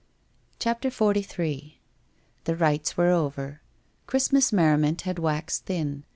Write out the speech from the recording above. CHAPTER XLIII The rites were over. Christmas merriment had waxed thin.